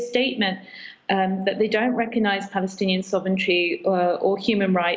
bahwa mereka tidak mengakui kebenaran palestina atau hak manusia